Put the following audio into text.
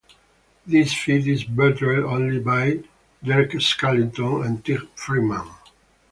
This feat is bettered only by Derek Shackleton and Tich Freeman.